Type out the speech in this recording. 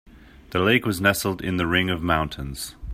The lake was nestled in the ring of mountains.